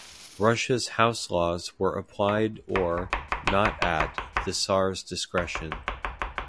Russia's house laws were applied-or not-at the tsar's discretion.